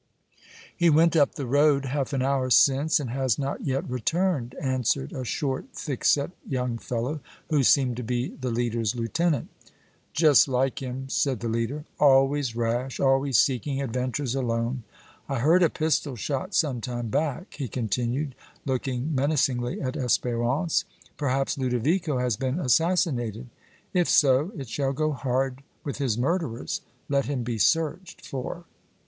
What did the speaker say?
"He went up the road half an hour since, and has not yet returned," answered a short, thick set young fellow, who seemed to be the leader's lieutenant. "Just like him," said the leader. "Always rash, always seeking adventures alone. I heard a pistol shot some time back," he continued, looking menacingly at Espérance. "Perhaps Ludovico has been assassinated! If so, it shall go hard with his murderers! Let him be searched for."